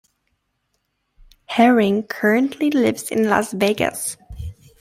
Herring currently lives in Las Vegas.